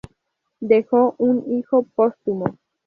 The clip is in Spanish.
Dejó un hijo póstumo.